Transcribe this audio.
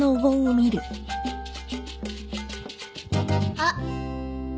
あっ。